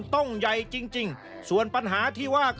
สุดท้ายของพ่อต้องรักมากกว่านี้ครับ